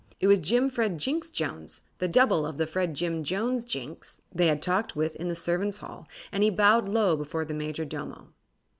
It was Jimfred Jinksjones, the double of the Fredjim Jonesjinks they had talked with in the servants' hall, and he bowed low before the Majordomo.